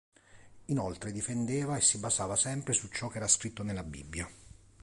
Inoltre difendeva e si basava sempre su ciò che era scritto nella Bibbia.